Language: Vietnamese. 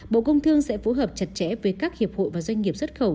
bộ công thương sẽ phối hợp chặt chẽ với các hiệp hội và doanh nghiệp xuất khẩu